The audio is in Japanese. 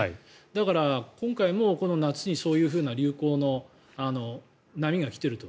だから、今回もこの夏にそういうふうな流行の波が来ていると。